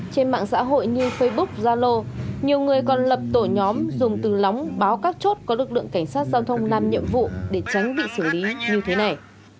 trên mạng xã hội như facebook zalo nhiều người còn lập tổ nhóm dùng từ lóng báo các chốt có lực lượng cảnh sát giao thông làm nhiệm vụ để tránh bị xử lý như thế này